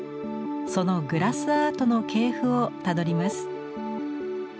そのグラスアートの系譜をたどります。